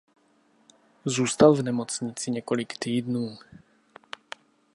Zůstal v nemocnici několik týdnů.